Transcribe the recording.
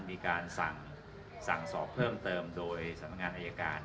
มีการสั่งสอบเพิ่มเติมโดยสำนักงานอายการ